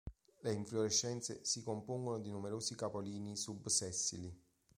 Le infiorescenze si compongono di numerosi capolini sub-sessili.